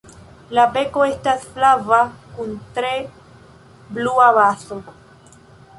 La beko estas flava kun tre blua bazo.